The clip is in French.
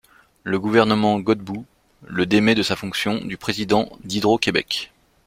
Le gouvernement Godbout le démet de sa fonction de président d'Hydro-Québec.